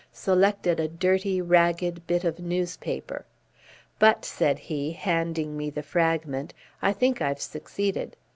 selected a dirty, ragged bit of newspaper "but," said he, handing me the fragment, "I think I've succeeded.